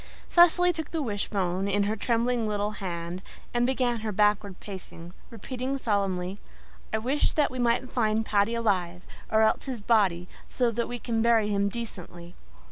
Cecily took the wishbone in her trembling little hands and began her backward pacing, repeating solemnly, "I wish that we may find Paddy alive, or else his body, so that we can bury him decently."